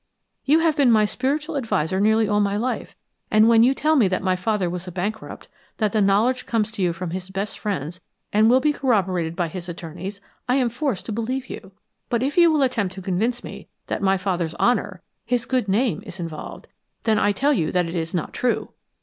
You have been my spiritual adviser nearly all my life, and when you tell me that my father was a bankrupt, that the knowledge comes to you from his best friends and will be corroborated by his attorneys, I am forced to believe you. But if you attempt to convince me that my father's honor his good name is involved, then I tell you that it is not true!